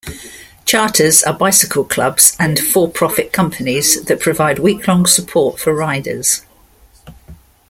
Charters are bicycle clubs and for-profit companies that provide weeklong support for riders.